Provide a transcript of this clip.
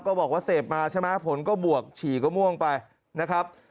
บอกว่าเสพมาใช่ไหมผลก็บวกฉี่ก็ม่วงไปนะครับ